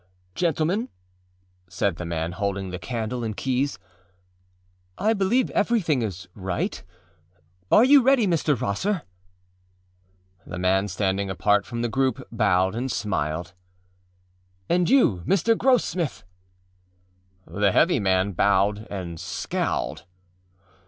âGentlemen,â said the man holding the candle and keys, âI believe everything is right. Are you ready, Mr. Rosser?â The man standing apart from the group bowed and smiled. âAnd you, Mr. Grossmith?â The heavy man bowed and scowled.